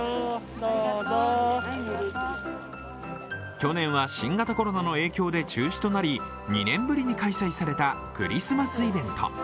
去年は新型コロナの影響で中止となり２年ぶりに開催されたクリスマスイベント。